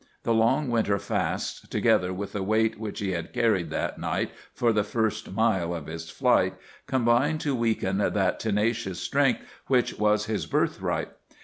The long winter fasts, together with the weight which he had carried that night for the first mile of his flight, combined to weaken that tenacious strength which was his birthright.